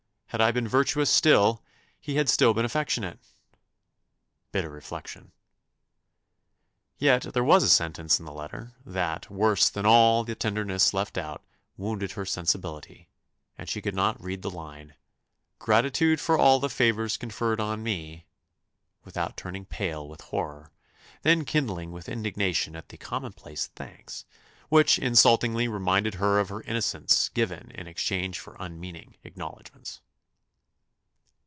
Had I been virtuous still, he had still been affectionate." Bitter reflection! Yet there was a sentence in the letter, that, worse than all the tenderness left out, wounded her sensibility; and she could not read the line, gratitude for all the favours conferred on me, without turning pale with horror, then kindling with indignation at the commonplace thanks, which insultingly reminded her of her innocence given in exchange for unmeaning acknowledgments.